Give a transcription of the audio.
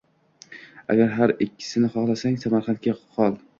Agar har ikkalasini xohlasang, Samarqandda qol”.